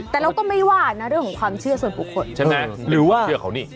แต่เราก็ไม่ว่านะเรื่องของความเชื่อส่วนบุคคลใช่ไหมหรือว่าเชื่อเขานี่